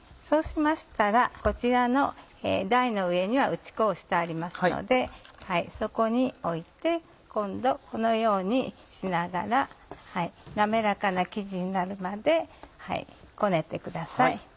そうしましたらこちらの台の上には打ち粉をしてありますのでそこに置いて今度このようにしながらなめらかな生地になるまでこねてください。